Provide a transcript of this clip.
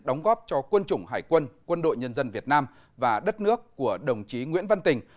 đóng góp cho quân chủng hải quân quân đội nhân dân việt nam và đất nước của đồng chí nguyễn văn tình